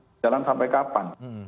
berjalan sampai kapan